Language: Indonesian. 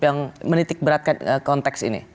yang menitik beratkan konteks ini